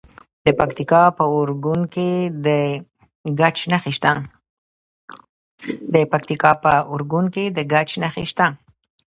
د پکتیکا په ارګون کې د ګچ نښې شته.